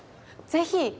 ぜひ！